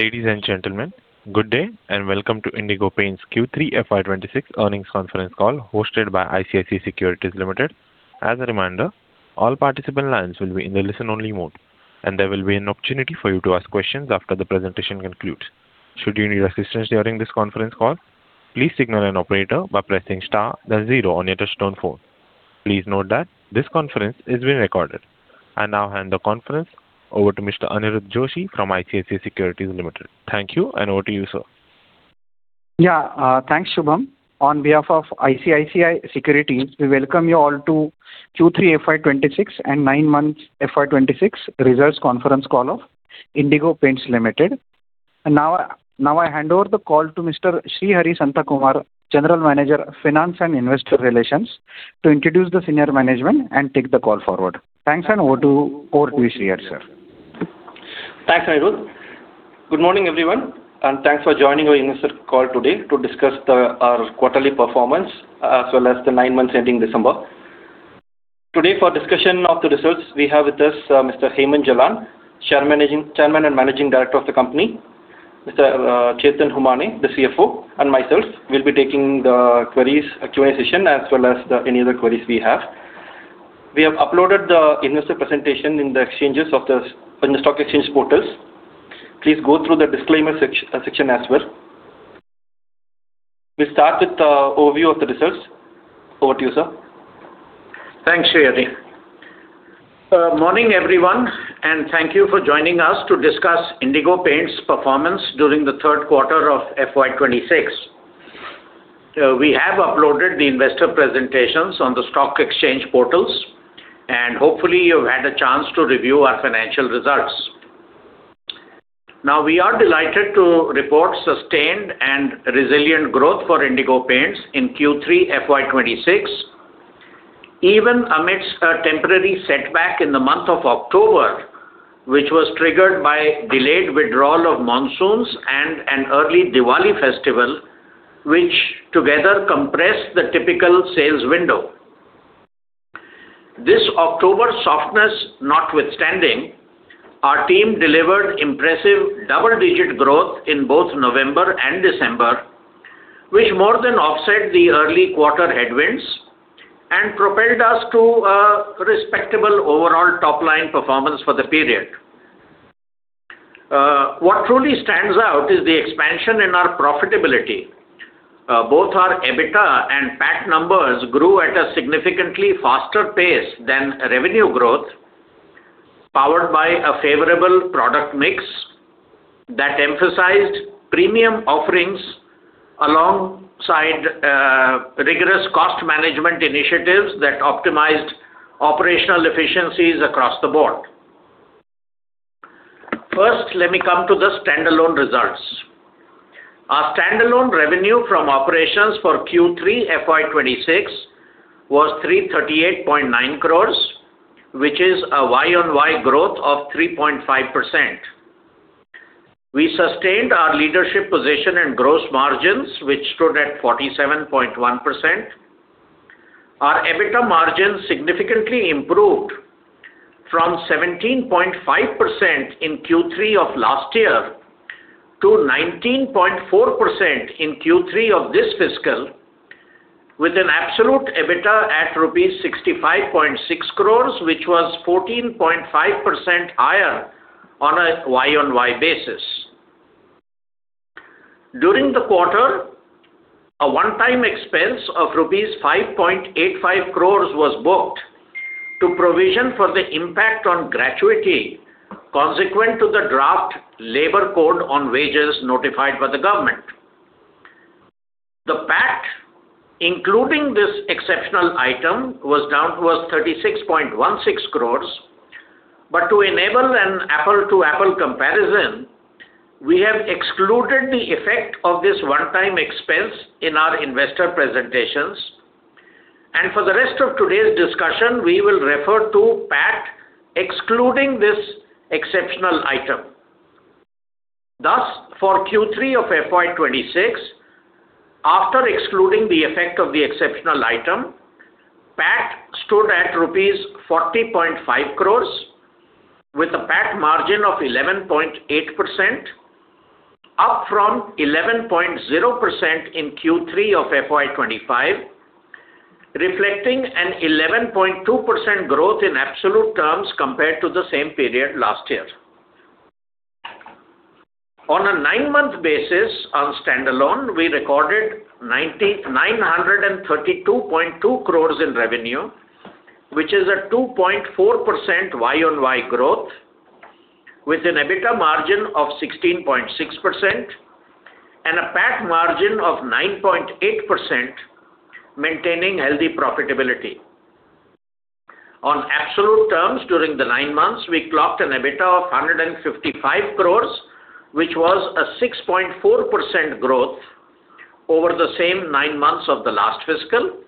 Ladies and gentlemen, good day, and welcome to Indigo Paints Q3 FY 2026 earnings conference call, hosted by ICICI Securities Limited. As a reminder, all participant lines will be in the listen-only mode, and there will be an opportunity for you to ask questions after the presentation concludes. Should you need assistance during this conference call, please signal an operator by pressing star then zero on your touchtone phone. Please note that this conference is being recorded. I now hand the conference over to Mr. Anirudh Joshi from ICICI Securities Limited. Thank you, and over to you, sir. Yeah, thanks, Shubham. On behalf of ICICI Securities, we welcome you all to Q3 FY 2026 and nine months FY26 results conference call of Indigo Paints Limited. And now, now I hand over the call to Mr. Srihari Santhakumar, General Manager, Finance and Investor Relations, to introduce the senior management and take the call forward. Thanks, and over to you, Srihari, sir. Thanks, Anirudh. Good morning, everyone, and thanks for joining our investor call today to discuss our quarterly performance as well as the nine months ending December. Today, for discussion of the results, we have with us Mr. Hemant Jalan, Chairman and Managing Director of the company, Mr. Chetan Humane, the CFO, and myself. We'll be taking the queries, Q&A session, as well as any other queries we have. We have uploaded the investor presentation in the exchanges, in the stock exchange portals. Please go through the disclaimer section as well. We'll start with the overview of the results. Over to you, sir. Thanks, Srihari. Morning, everyone, and thank you for joining us to discuss Indigo Paints' performance during the third quarter of FY 2026. We have uploaded the investor presentations on the stock exchange portals, and hopefully, you've had a chance to review our financial results. Now, we are delighted to report sustained and resilient growth for Indigo Paints in Q3 FY 26, even amidst a temporary setback in the month of October, which was triggered by delayed withdrawal of monsoons and an early Diwali festival, which together compressed the typical sales window. This October softness notwithstanding, our team delivered impressive double-digit growth in both November and December, which more than offset the early quarter headwinds and propelled us to a respectable overall top-line performance for the period. What truly stands out is the expansion in our profitability. Both our EBITDA and PAT numbers grew at a significantly faster pace than revenue growth, powered by a favorable product mix that emphasized premium offerings alongside rigorous cost management initiatives that optimized operational efficiencies across the board. First, let me come to the standalone results. Our standalone revenue from operations for Q3 FY 2026 was 338.9 crores, which is a YoY growth of 3.5%. We sustained our leadership position and gross margins, which stood at 47.1%. Our EBITDA margin significantly improved from 17.5% in Q3 of last year to 19.4% in Q3 of this fiscal, with an absolute EBITDA at 65.6 crores rupees, which was 14.5% higher on a YoY basis. During the quarter, a one-time expense of rupees 5.85 crore was booked to provision for the impact on gratuity, consequent to the Draft Labour Code on Wages notified by the government. The PAT, including this exceptional item, was down to as 36.16 crore. But to enable an apple-to-apple comparison, we have excluded the effect of this one-time expense in our investor presentations, and for the rest of today's discussion, we will refer to PAT, excluding this exceptional item. Thus, for Q3 of FY 2026, after excluding the effect of the exceptional item, PAT stood at rupees 40.5 crore, with a PAT margin of 11.8%, up from 11.0% in Q3 of FY 2025, reflecting an 11.2% growth in absolute terms compared to the same period last year. On a nine-month basis, on standalone, we recorded 992.2 crore in revenue, which is a 2.4% YoY growth, with an EBITDA margin of 16.6% and a PAT margin of 9.8%, maintaining healthy profitability. On absolute terms, during the nine months, we clocked an EBITDA of 155 crore, which was a 6.4% growth over the same nine months of the last fiscal,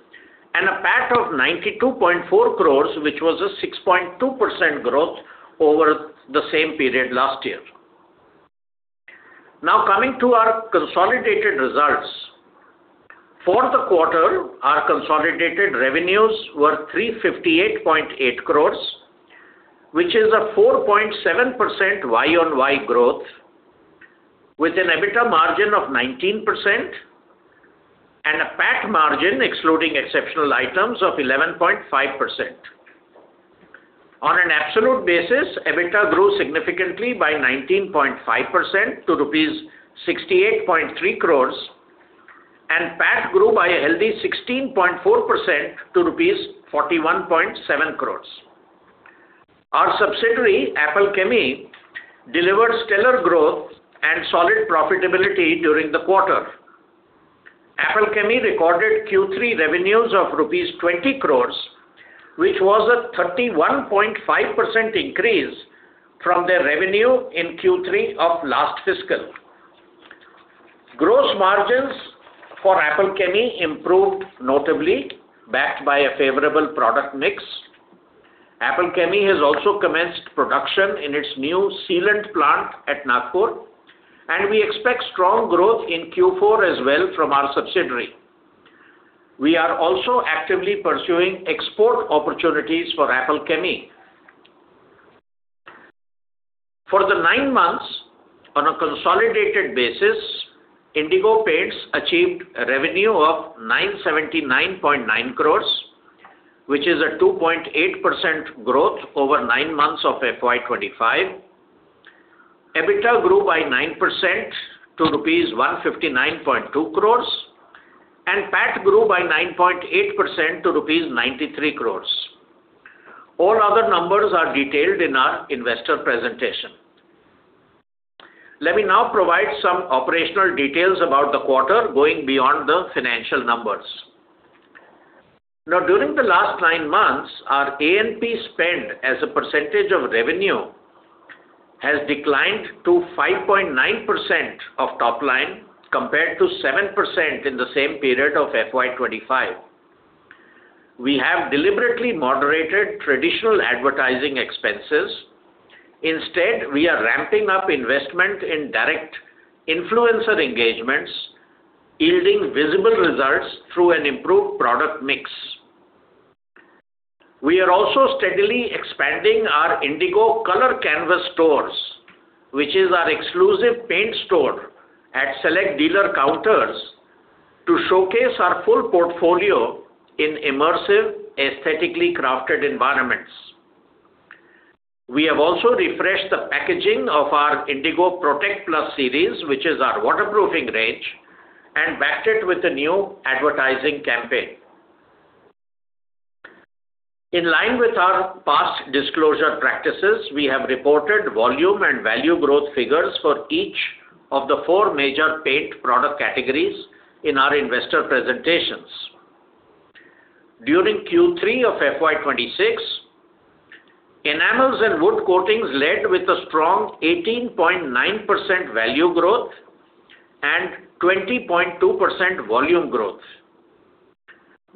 and a PAT of 92.4 crore, which was a 6.2% growth over the same period last year. Now, coming to our consolidated results. For the quarter, our consolidated revenues were 358.8 crore, which is a 4.7% YoY growth, with an EBITDA margin of 19% and a PAT margin excluding exceptional items of 11.5%. On an absolute basis, EBITDA grew significantly by 19.5% to rupees 68.3 crore, and PAT grew by a healthy 16.4% to rupees 41.7 crore. Our subsidiary, Apple Chemie, delivered stellar growth and solid profitability during the quarter. Apple Chemie recorded Q3 revenues of 20 crore rupees, which was a 31.5% increase from their revenue in Q3 of last fiscal. Gross margins for Apple Chemie improved notably, backed by a favorable product mix. Apple Chemie has also commenced production in its new sealant plant at Nagpur, and we expect strong growth in Q4 as well from our subsidiary. We are also actively pursuing export opportunities for Apple Chemie. For the nine months, on a consolidated basis, Indigo Paints achieved a revenue of 979.9 crore, which is a 2.8% growth over nine months of FY 2025. EBITDA grew by 9% to rupees 159.2 crore, and PAT grew by 9.8% to rupees 93 crore. All other numbers are detailed in our investor presentation. Let me now provide some operational details about the quarter, going beyond the financial numbers. Now, during the last nine months, our A&P spend as a percentage of revenue has declined to 5.9% of top line, compared to 7% in the same period of FY 2025. We have deliberately moderated traditional advertising expenses. Instead, we are ramping up investment in direct influencer engagements, yielding visible results through an improved product mix. We are also steadily expanding our Indigo Colour Canvas stores, which is our exclusive paint store at select dealer counters, to showcase our full portfolio in immersive, aesthetically crafted environments. We have also refreshed the packaging of our Indigo Protect Plus series, which is our waterproofing range, and backed it with a new advertising campaign. In line with our past disclosure practices, we have reported volume and value growth figures for each of the four major paint product categories in our investor presentations. During Q3 of FY 2026, enamels and wood coatings led with a strong 18.9% value growth and 20.2% volume growth.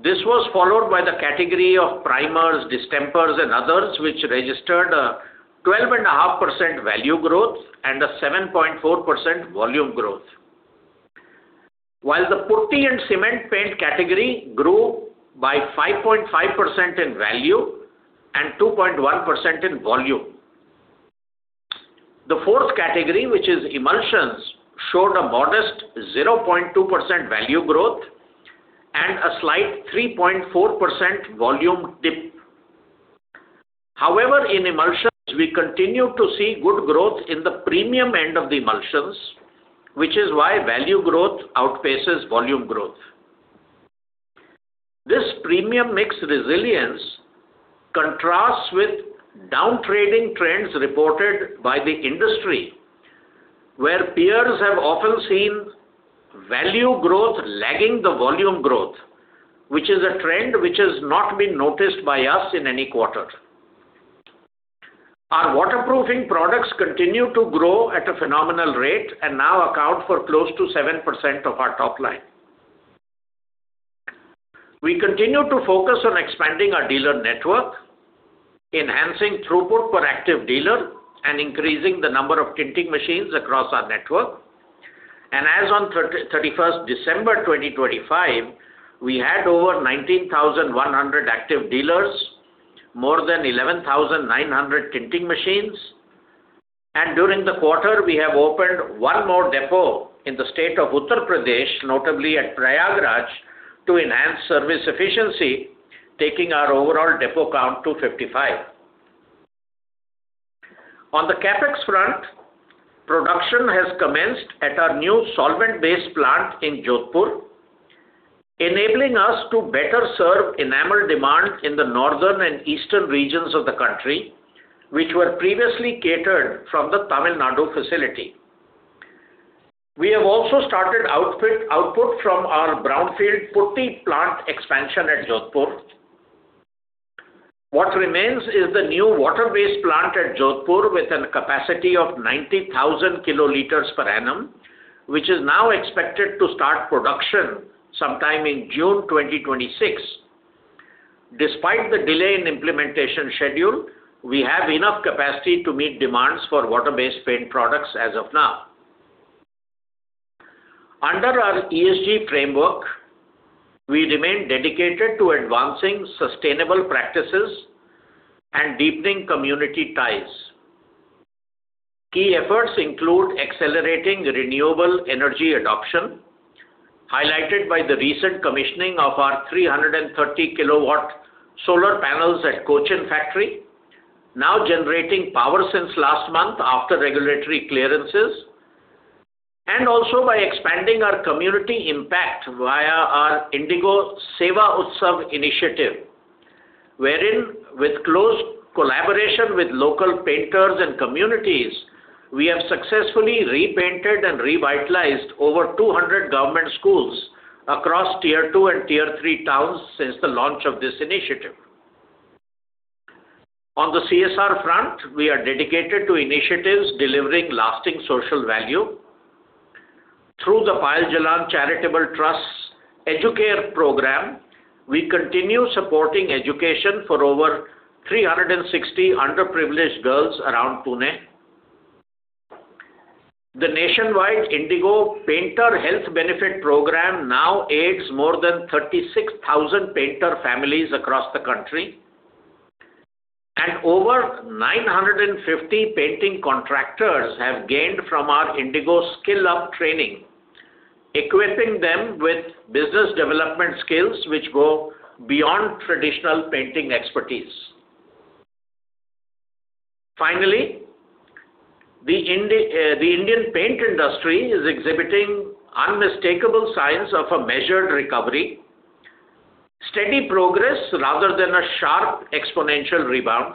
This was followed by the category of primers, distempers, and others, which registered a 12.5% value growth and a 7.4% volume growth. While the putty and cement paint category grew by 5.5% in value and 2.1% in volume. The fourth category, which is emulsions, showed a modest 0.2% value growth and a slight 3.4% volume dip. However, in emulsions, we continue to see good growth in the premium end of the emulsions, which is why value growth outpaces volume growth. This premium mix resilience contrasts with down-trading trends reported by the industry, where peers have often seen value growth lagging the volume growth, which is a trend which has not been noticed by us in any quarter. Our waterproofing products continue to grow at a phenomenal rate and now account for close to 7% of our top line. We continue to focus on expanding our dealer network, enhancing throughput per active dealer, and increasing the number of tinting machines across our network. And as on thirty-first December twenty twenty-five, we had over 19,100 active dealers, more than 11,900 tinting machines, and during the quarter, we have opened one more depot in the state of Uttar Pradesh, notably at Prayagraj, to enhance service efficiency, taking our overall depot count to 55. On the CapEx front, production has commenced at our new solvent-based plant in Jodhpur, enabling us to better serve enamel demand in the northern and eastern regions of the country, which were previously catered from the Tamil Nadu facility. We have also started output from our brownfield putty plant expansion at Jodhpur. What remains is the new water-based plant at Jodhpur, with a capacity of 90,000 kiloliters per annum, which is now expected to start production sometime in June 2026. Despite the delay in implementation schedule, we have enough capacity to meet demands for water-based paint products as of now. Under our ESG framework, we remain dedicated to advancing sustainable practices and deepening community ties. Key efforts include accelerating renewable energy adoption, highlighted by the recent commissioning of our 330-kW solar panels at Cochin factory, now generating power since last month after regulatory clearances. Also by expanding our community impact via our Indigo Seva Utsav initiative, wherein with close collaboration with local painters and communities, we have successfully repainted and revitalized over 200 government schools across Tier two and Tier three towns since the launch of this initiative. On the CSR front, we are dedicated to initiatives delivering lasting social value. Through the Payal Jalan Charitable Trust's Educare program, we continue supporting education for over 360 underprivileged girls around Pune. The nationwide Indigo Painter Health Benefit Program now aids more than 36,000 painter families across the country, and over 950 painting contractors have gained from our Indigo Skill Up training, equipping them with business development skills, which go beyond traditional painting expertise. Finally, the Indian paint industry is exhibiting unmistakable signs of a measured recovery, steady progress rather than a sharp exponential rebound.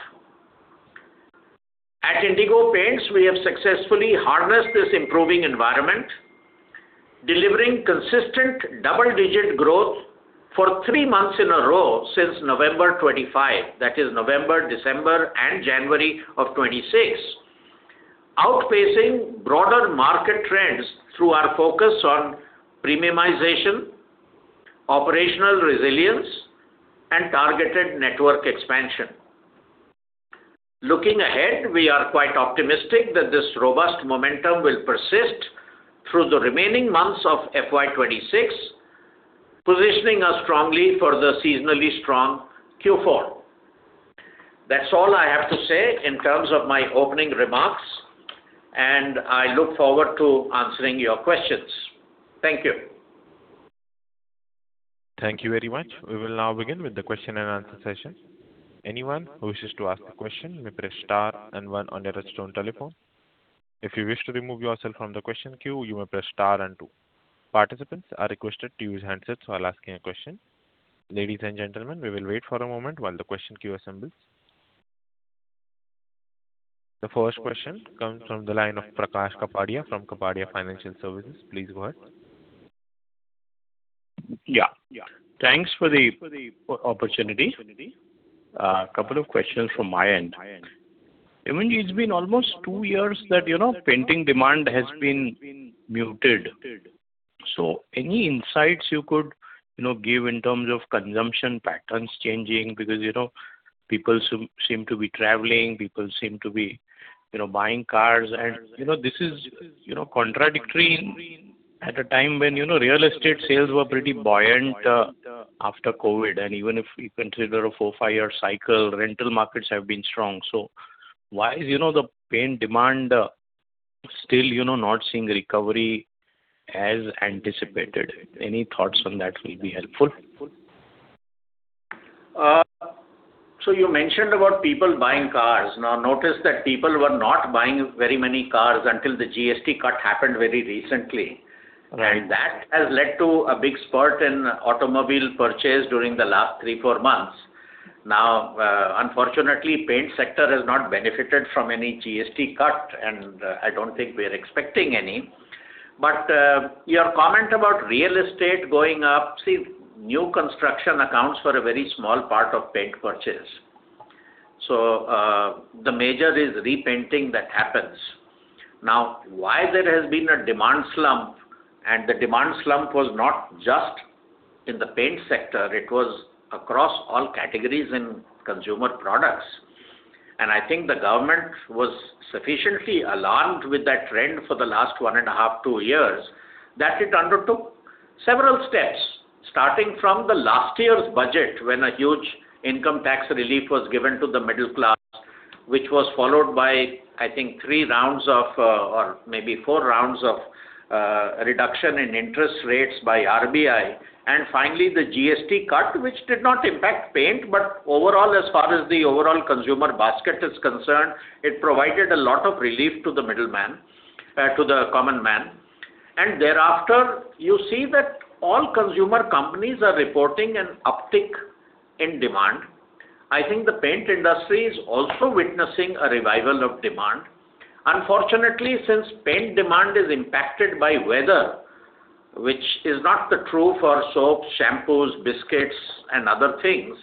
At Indigo Paints, we have successfully harnessed this improving environment, delivering consistent double-digit growth for three months in a row since November 2025, that is November, December and January of 2026, outpacing broader market trends through our focus on premiumization, operational resilience, and targeted network expansion. Looking ahead, we are quite optimistic that this robust momentum will persist through the remaining months of FY 2026, positioning us strongly for the seasonally strong Q4. That's all I have to say in terms of my opening remarks, and I look forward to answering your questions. Thank you. Thank you very much. We will now begin with the question-and-answer session. Anyone who wishes to ask a question, may press star and one on your touchtone telephone. If you wish to remove yourself from the question queue, you may press star and two. Participants are requested to use handsets while asking a question. Ladies and gentlemen, we will wait for a moment while the question queue assembles. The first question comes from the line of Prakash Kapadia, from Kapadia Financial Services. Please go ahead. Yeah. Thanks for the opportunity. A couple of questions from my end. Hemantji, it's been almost two years that, you know, painting demand has been muted. So any insights you could, you know, give in terms of consumption patterns changing? Because, you know, people seem to be traveling, people seem to be, you know, buying cars. And, you know, this is, you know, contradictory at a time when, you know, real estate sales were pretty buoyant after COVID. And even if we consider a four, five-year cycle, rental markets have been strong. So why is, you know, the paint demand still, you know, not seeing recovery as anticipated? Any thoughts on that will be helpful. So, you mentioned about people buying cars. Now, notice that people were not buying very many cars until the GST cut happened very recently. Right. That has led to a big spurt in automobile purchase during the last three, four months. Now, unfortunately, paint sector has not benefited from any GST cut, and I don't think we are expecting any. But your comment about real estate going up, see, new construction accounts for a very small part of paint purchase. So the major is repainting that happens. Now, why there has been a demand slump, and the demand slump was not just in the paint sector, it was across all categories in consumer products. I think the government was sufficiently alarmed with that trend for the last 1.5-two years, that it undertook several steps, starting from the last year's budget, when a huge income tax relief was given to the middle class, which was followed by, I think, three rounds of, or maybe four rounds of, reduction in interest rates by RBI. And finally, the GST cut, which did not impact paint, but overall, as far as the overall consumer basket is concerned, it provided a lot of relief to the middleman, to the common man. And thereafter, you see that all consumer companies are reporting an uptick in demand. I think the paint industry is also witnessing a revival of demand. Unfortunately, since paint demand is impacted by weather, which is not the true for soaps, shampoos, biscuits and other things,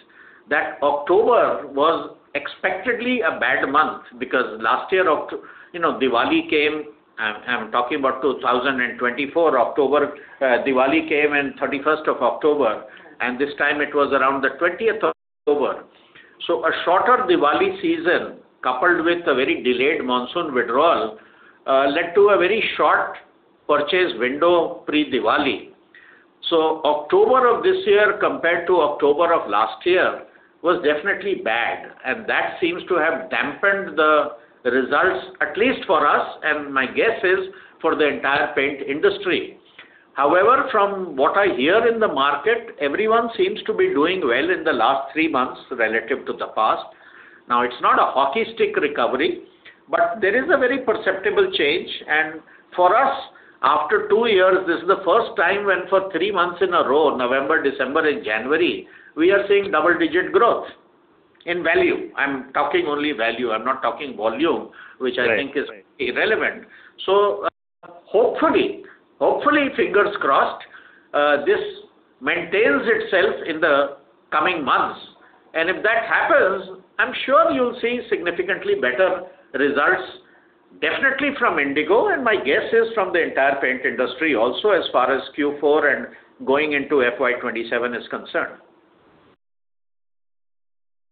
that October was expectedly a bad month, because last year October—you know, Diwali came. I'm talking about 2024, October, Diwali came on the 31st of October, and this time it was around the 20th of October. So a shorter Diwali season, coupled with a very delayed monsoon withdrawal, led to a very short purchase window pre-Diwali. So October of this year compared to October of last year was definitely bad, and that seems to have dampened the results, at least for us, and my guess is for the entire paint industry. However, from what I hear in the market, everyone seems to be doing well in the last three months relative to the past. Now, it's not a hockey stick recovery, but there is a very perceptible change, and for us, after two years, this is the first time when for three months in a row, November, December and January, we are seeing double-digit growth in value. I'm talking only value, I'm not talking volume. Right. Which I think is irrelevant. So, hopefully, hopefully, fingers crossed, this maintains itself in the coming months. And if that happens, I'm sure you'll see significantly better results, definitely from Indigo, and my guess is from the entire paint industry also, as far as Q4 and going into FY 2027 is concerned.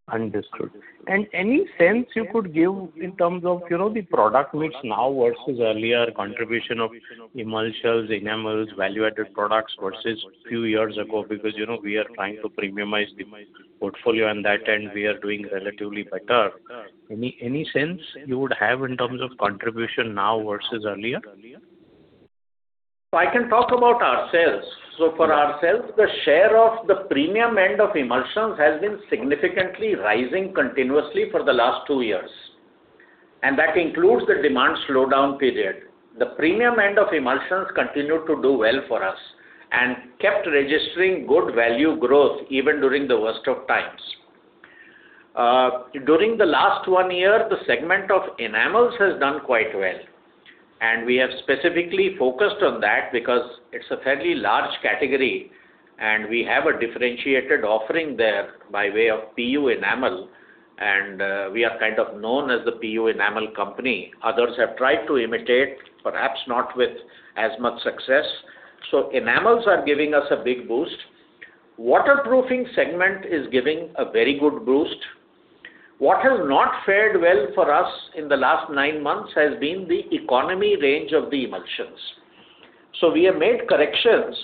Understood. And any sense you could give in terms of, you know, the product mix now versus earlier, contribution of emulsions, enamels, value-added products versus few years ago? Because, you know, we are trying to premiumize the portfolio, on that end, we are doing relatively better. Any, any sense you would have in terms of contribution now versus earlier? I can talk about ourselves. So for ourselves, the share of the premium end of emulsions has been significantly rising continuously for the last two years, and that includes the demand slowdown period. The premium end of emulsions continued to do well for us, and kept registering good value growth even during the worst of times. During the last one year, the segment of enamels has done quite well, and we have specifically focused on that because it's a fairly large category, and we have a differentiated offering there by way of PU Enamel, and, we are kind of known as the PU Enamel company. Others have tried to imitate, perhaps not with as much success. So enamels are giving us a big boost. Waterproofing segment is giving a very good boost. What has not fared well for us in the last nine months has been the economy range of the emulsions. So we have made corrections,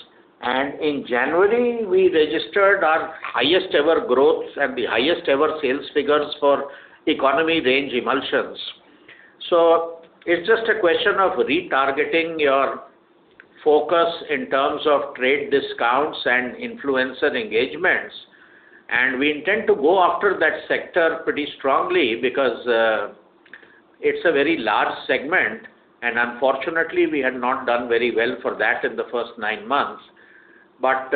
and in January, we registered our highest ever growth and the highest ever sales figures for economy range emulsions. So it's just a question of retargeting your focus in terms of trade discounts and influencer engagements. And we intend to go after that sector pretty strongly because it's a very large segment, and unfortunately, we had not done very well for that in the first nine months. But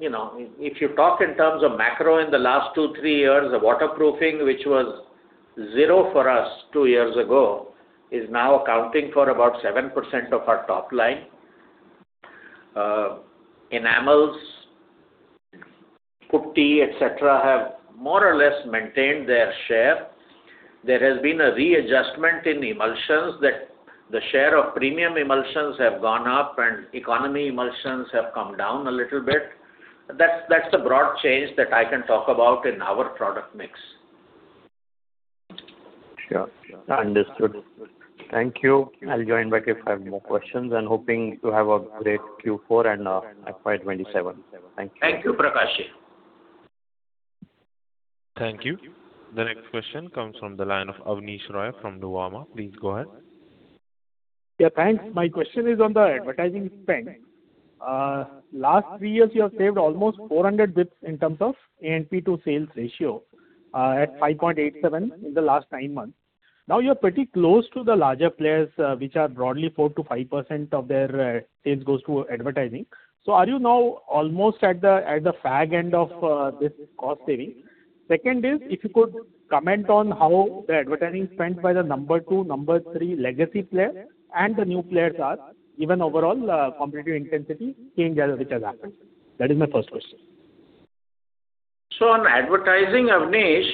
you know, if you talk in terms of macro in the last two, three years, the waterproofing, which was zero for us two years ago, is now accounting for about 7% of our top line. Enamels, putty, et cetera, have more or less maintained their share. There has been a readjustment in emulsions that the share of premium emulsions have gone up and economy emulsions have come down a little bit. That's the broad change that I can talk about in our product mix. Sure, understood. Thank you. I'll join back if I have more questions, and hoping you have a great Q4 and FY 2027. Thank you. Thank you, Prakash. Thank you. The next question comes from the line of Abneesh Roy from Nuvama. Please go ahead. Yeah, thanks. My question is on the advertising spend. Last three years, you have saved almost 400 basis points in terms of A&P to sales ratio, at 5.87 in the last nine months. Now, you're pretty close to the larger players, which are broadly 4%-5% of their sales goes to advertising. So are you now almost at the fag end of this cost saving? Second is, if you could comment on how the advertising spent by the number two, number three legacy players and the new players are, even overall, competitive intensity change as which has happened. That is my first question. So on advertising, Avnish,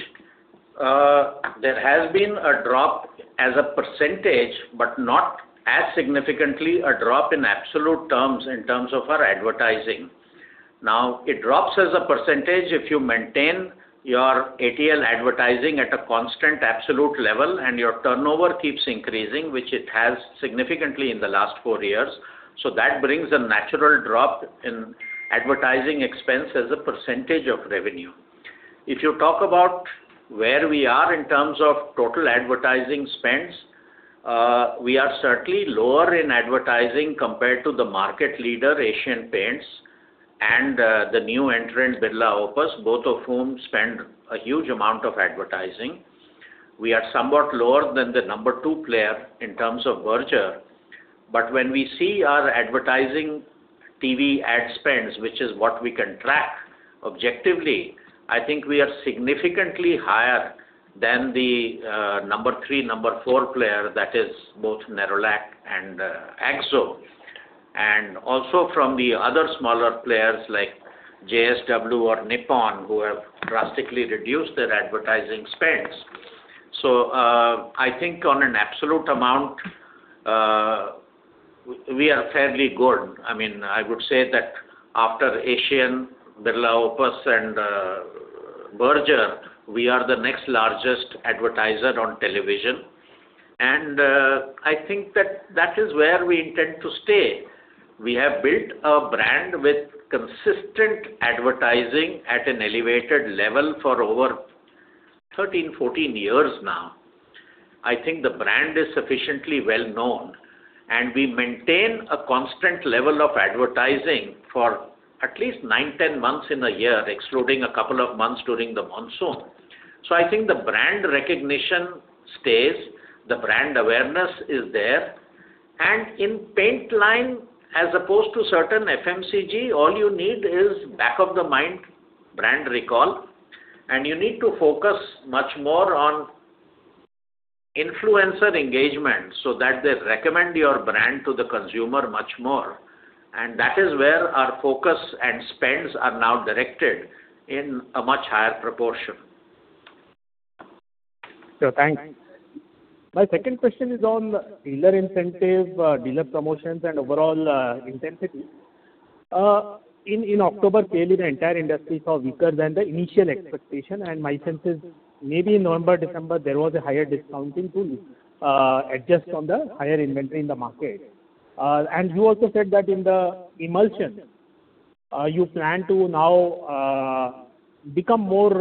there has been a drop as a percentage, but not as significantly a drop in absolute terms in terms of our advertising. Now, it drops as a percentage if you maintain your ATL advertising at a constant absolute level and your turnover keeps increasing, which it has significantly in the last four years. So that brings a natural drop in advertising expense as a percentage of revenue. If you talk about where we are in terms of total advertising spends, we are certainly lower in advertising compared to the market leader, Asian Paints, and the new entrant, Birla Opus, both of whom spend a huge amount of advertising. We are somewhat lower than the number two player in terms of Berger. But when we see our advertising TV ad spends, which is what we can track objectively, I think we are significantly higher than the number three, number four player, that is both Nerolac and Akzo. And also from the other smaller players like JSW or Nippon, who have drastically reduced their advertising spends. So I think on an absolute amount, we are fairly good. I mean, I would say that after Asian, Birla Opus, and Berger, we are the next largest advertiser on television. And I think that that is where we intend to stay. We have built a brand with consistent advertising at an elevated level for over 13-14 years now. I think the brand is sufficiently well-known, and we maintain a constant level of advertising for at least nine, 10 months in a year, excluding a couple of months during the monsoon. So I think the brand recognition stays, the brand awareness is there, and in paint line, as opposed to certain FMCG, all you need is back of the mind brand recall, and you need to focus much more on influencer engagement so that they recommend your brand to the consumer much more. And that is where our focus and spends are now directed in a much higher proportion. Sure, thanks. My second question is on dealer incentive, dealer promotions, and overall intensity. In October, clearly, the entire industry saw weaker than the initial expectation, and my sense is maybe in November, December, there was a higher discounting to adjust on the higher inventory in the market. And you also said that in the emulsion, you plan to now become more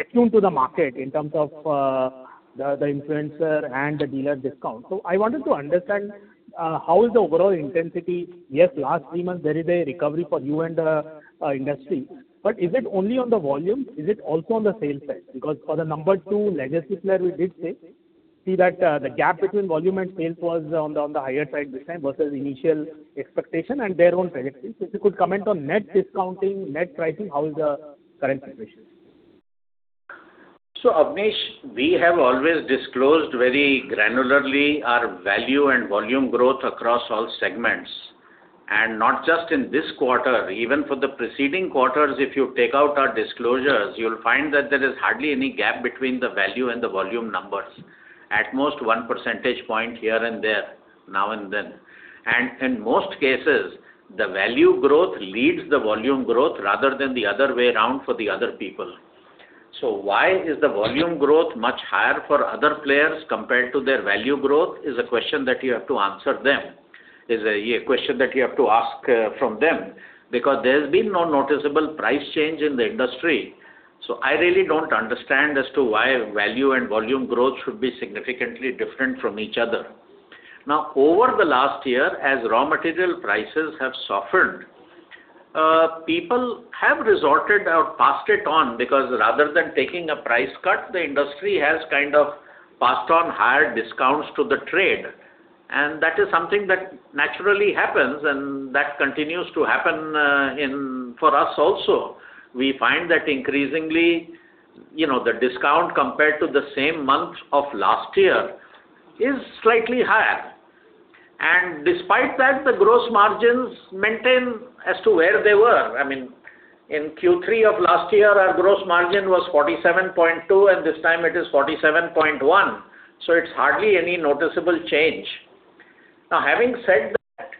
attuned to the market in terms of the influencer and the dealer discount. So I wanted to understand how is the overall intensity. Yes, last three months, there is a recovery for you and the industry, but is it only on the volume? Is it also on the sales side? Because for the number two legacy player, we did say, see that, the gap between volume and sales was on the, on the higher side this time versus initial expectation and their own projections. If you could comment on net discounting, net pricing, how is the current situation? So, Avnish, we have always disclosed very granularly our value and volume growth across all segments, and not just in this quarter. Even for the preceding quarters, if you take out our disclosures, you'll find that there is hardly any gap between the value and the volume numbers. At most, one percentage point here and there, now and then. And in most cases, the value growth leads the volume growth rather than the other way around for the other people. So why is the volume growth much higher for other players compared to their value growth, is a question that you have to answer them, is a question that you have to ask from them, because there's been no noticeable price change in the industry. So I really don't understand as to why value and volume growth should be significantly different from each other. Now, over the last year, as raw material prices have softened, people have resorted or passed it on, because rather than taking a price cut, the industry has kind of passed on higher discounts to the trade, and that is something that naturally happens, and that continues to happen, in for us also. We find that increasingly, you know, the discount compared to the same month of last year is slightly higher. And despite that, the gross margins maintain as to where they were. I mean, in Q3 of last year, our gross margin was 47.2, and this time it is 47.1. So it's hardly any noticeable change. Now, having said that,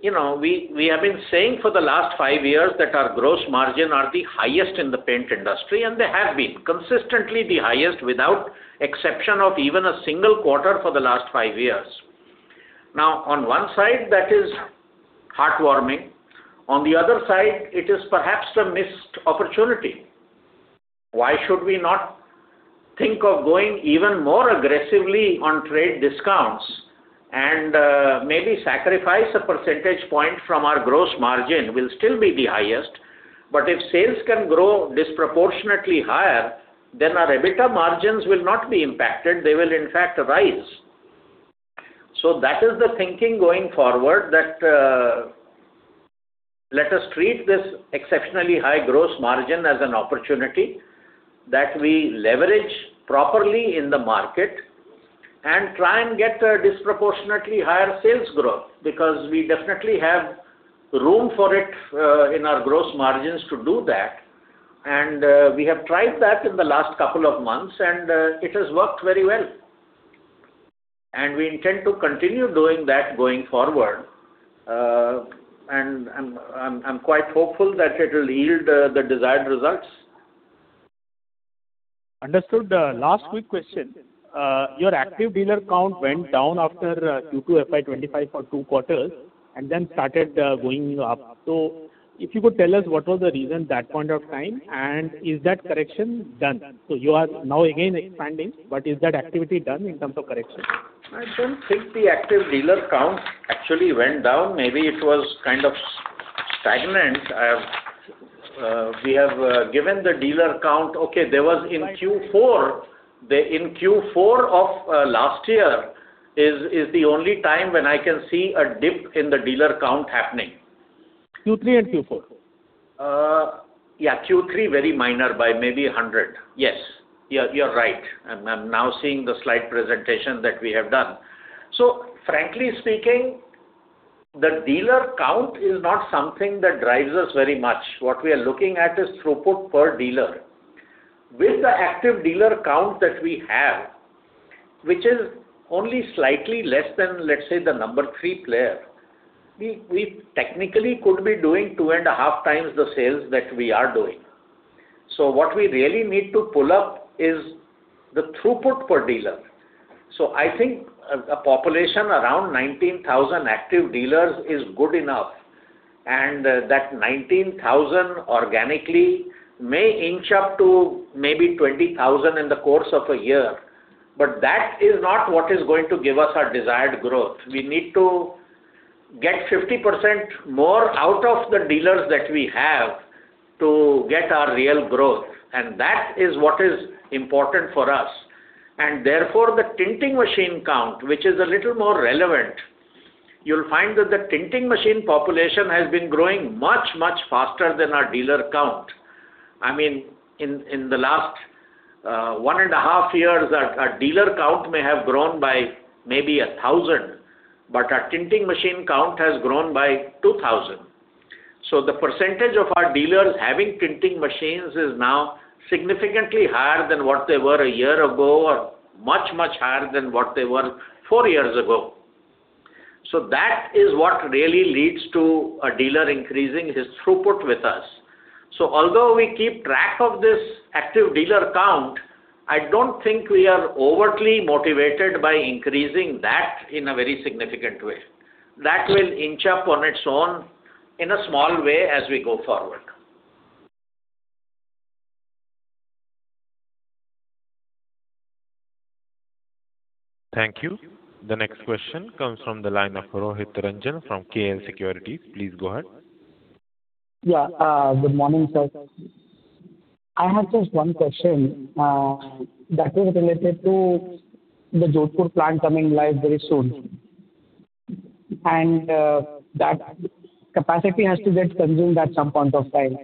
you know, we have been saying for the last five years that our gross margin are the highest in the paint industry, and they have been consistently the highest without exception of even a single quarter for the last five years. Now, on one side, that is heartwarming. On the other side, it is perhaps a missed opportunity. Why should we not think of going even more aggressively on trade discounts and maybe sacrifice a percentage point from our gross margin? We'll still be the highest. But if sales can grow disproportionately higher, then our EBITDA margins will not be impacted. They will, in fact, rise. So that is the thinking going forward, that, let us treat this exceptionally high gross margin as an opportunity that we leverage properly in the market and try and get a disproportionately higher sales growth, because we definitely have room for it, in our gross margins to do that. We have tried that in the last couple of months, and, it has worked very well. We intend to continue doing that going forward, and I'm quite hopeful that it will yield, the desired results. Understood. Last quick question. Your active dealer count went down after Q2 FY 25 for two quarters and then started going up. So if you could tell us, what was the reason that point of time, and is that correction done? So you are now again expanding, but is that activity done in terms of correction? I don't think the active dealer count actually went down. Maybe it was kind of stagnant. Okay, there was in Q4 of last year is the only time when I can see a dip in the dealer count happening. Q3 and Q4. Yeah, Q3, very minor, by maybe 100. Yes, you're right. I'm now seeing the slide presentation that we have done. So frankly speaking, the dealer count is not something that drives us very much. What we are looking at is throughput per dealer. With the active dealer count that we have, which is only slightly less than, let's say, the number three player, we technically could be doing 2.5 times the sales that we are doing. So what we really need to pull up is the throughput per dealer. So I think a population around 19,000 active dealers is good enough, and that 19,000 organically may inch up to maybe 20,000 in the course of a year. But that is not what is going to give us our desired growth. We need to get 50% more out of the dealers that we have to get our real growth, and that is what is important for us. Therefore, the tinting machine count, which is a little more relevant, you'll find that the tinting machine population has been growing much, much faster than our dealer count. I mean, in the last one and a half years, our dealer count may have grown by maybe 1,000, but our tinting machine count has grown by 2,000. So the percentage of our dealers having tinting machines is now significantly higher than what they were a year ago, or much, much higher than what they were 4 years ago. So that is what really leads to a dealer increasing his throughput with us. Although we keep track of this active dealer count, I don't think we are overtly motivated by increasing that in a very significant way. That will inch up on its own in a small way as we go forward. Thank you. The next question comes from the line of Rohit Ranjan from KL Securities. Please go ahead. Yeah, good morning, sir. I have just one question that is related to the Jodhpur plant coming live very soon. And that capacity has to get consumed at some point of time.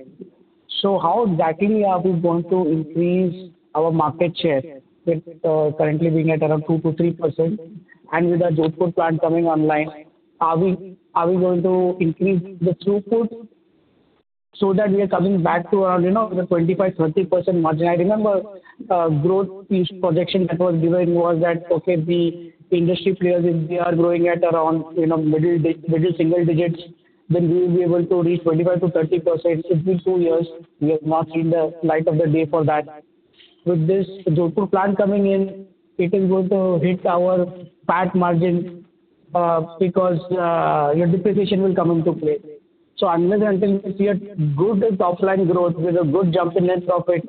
So how exactly are we going to increase our market share with currently being at around 2%-3%, and with our Jodhpur plant coming online, are we going to increase the throughput so that we are coming back to our, you know, the 25%-30% margin? I remember growth projection that was given was that, okay, the industry players, if they are growing at around, you know, middle single digits, then we will be able to reach 25%-30%. It's been two years, we have not seen the light of the day for that. With this Jodhpur plant coming in, it is going to hit our PAT margin, because depreciation will come into play. So unless and until we see a good top line growth with a good jump in net profit,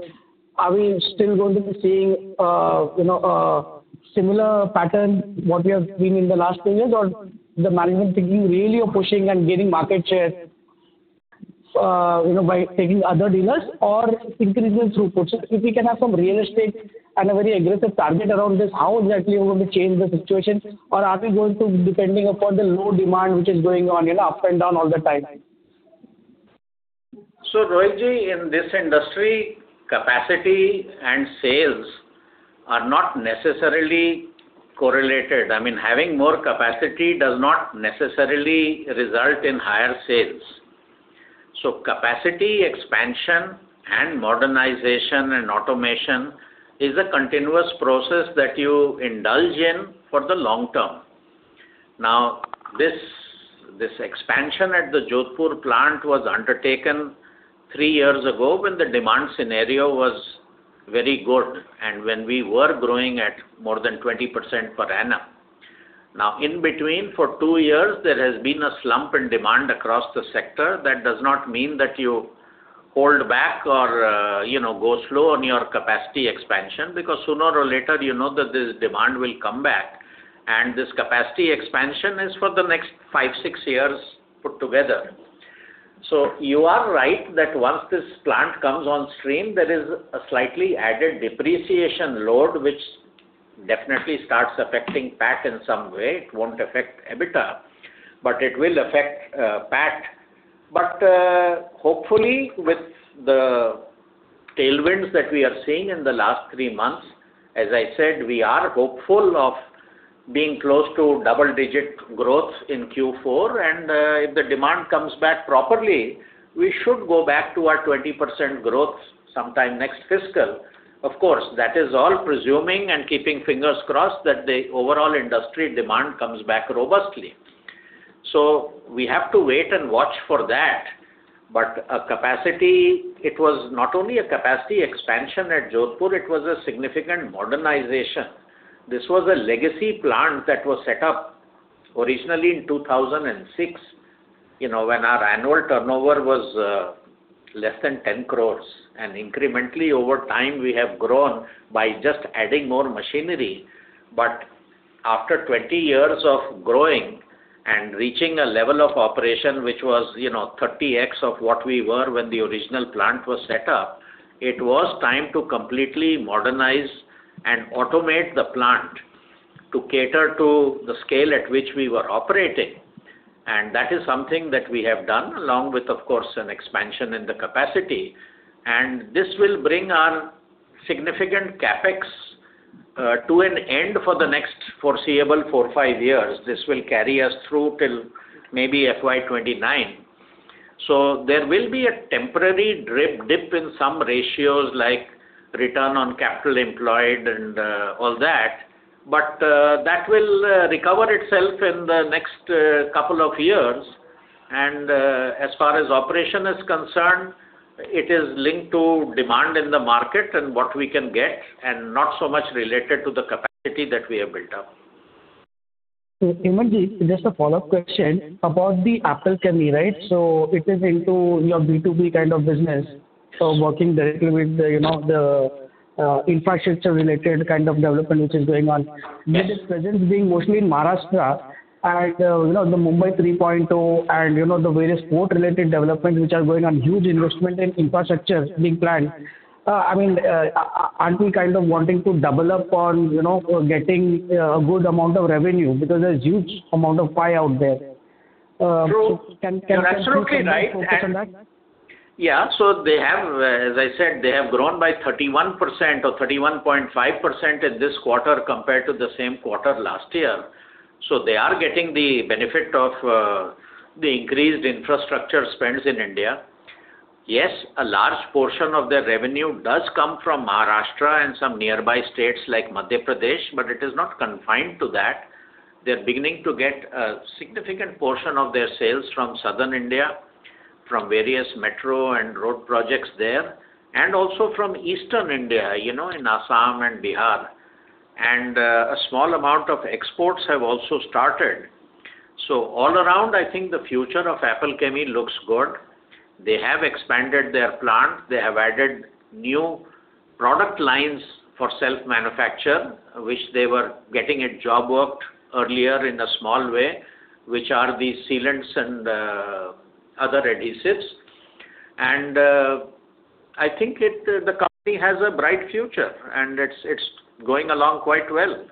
are we still going to be seeing, you know, a similar pattern, what we have seen in the last two years? Or the management thinking really of pushing and gaining market share, you know, by taking other dealers or increasing throughput. So if you can have some realistic and a very aggressive target around this, how exactly are we going to change the situation? Or are we going to be depending upon the low demand, which is going on, you know, up and down all the time? So, Rohitji, in this industry, capacity and sales are not necessarily correlated. I mean, having more capacity does not necessarily result in higher sales. So capacity, expansion, and modernization, and automation is a continuous process that you indulge in for the long term. Now, this, this expansion at the Jodhpur plant was undertaken three years ago, when the demand scenario was very good and when we were growing at more than 20% per annum. Now, in between, for two years, there has been a slump in demand across the sector. That does not mean that you hold back or, you know, go slow on your capacity expansion, because sooner or later, you know that this demand will come back, and this capacity expansion is for the next five to six years put together. So you are right that once this plant comes on stream, there is a slightly added depreciation load, which definitely starts affecting PAT in some way. It won't affect EBITDA, but it will affect, PAT. But, hopefully, with the tailwinds that we are seeing in the last three months, as I said, we are hopeful of being close to double-digit growth in Q4, and, if the demand comes back properly, we should go back to our 20% growth sometime next fiscal. Of course, that is all presuming and keeping fingers crossed that the overall industry demand comes back robustly. So we have to wait and watch for that. But a capacity, it was not only a capacity expansion at Jodhpur, it was a significant modernization. This was a legacy plant that was set up originally in 2006, you know, when our annual turnover was less than 10 crore. Incrementally, over time, we have grown by just adding more machinery. But after 20 years of growing and reaching a level of operation, which was, you know, 30x of what we were when the original plant was set up, it was time to completely modernize and automate the plant to cater to the scale at which we were operating. That is something that we have done, along with, of course, an expansion in the capacity. This will bring our significant CapEx to an end for the next foreseeable four to five years. This will carry us through till maybe FY 2029. There will be a temporary dip in some ratios, like return on capital employed and all that, but that will recover itself in the next couple of years. As far as operation is concerned, it is linked to demand in the market and what we can get, and not so much related to the capacity that we have built up. So Hemantji, just a follow-up question about the Apple Chemie, right? So it is into your B2B kind of business, so working directly with the, you know, the, infrastructure-related kind of development which is going on. With its presence being mostly in Maharashtra and, you know, the Mumbai 3.0, and you know, the various port-related developments which are going on, huge investment in infrastructure being planned. I mean, aren't we kind of wanting to double up on, you know, getting a good amount of revenue? Because there's huge amount of pie out there. True. Can, can, can. That's absolutely right. Focus on that? Yeah, so they have, as I said, they have grown by 31% or 31.5% in this quarter, compared to the same quarter last year. So they are getting the benefit of the increased infrastructure spends in India. Yes, a large portion of their revenue does come from Maharashtra and some nearby states like Madhya Pradesh, but it is not confined to that. They're beginning to get a significant portion of their sales from Southern India, from various metro and road projects there, and also from Eastern India, you know, in Assam and Bihar. And a small amount of exports have also started. So all around, I think the future of Apple Chemie looks good. They have expanded their plant. They have added new product lines for self-manufacture, which they were getting it job worked earlier in a small way, which are the sealants and other adhesives. I think it, the company has a bright future, and it's, it's going along quite well.